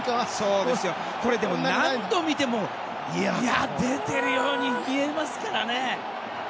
これ、何度見ても出てるように見えますからね。